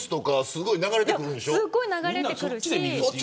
すごい流れてくるし。